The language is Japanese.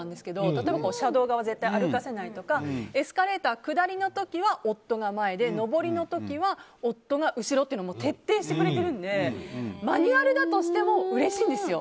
例えば車道側を絶対歩かせないとかエスカレーター下りの時は夫が前で上りの時は夫が後ろというのは徹底してくれているのでマニュアルだとしてもうれしいんですよ。